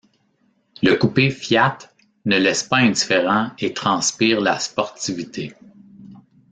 Le Coupé Fiat ne laisse pas indifférent et transpire la sportivité.